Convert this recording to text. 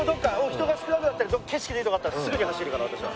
人が少なくなったり景色のいいとこあったらすぐに走るから私は。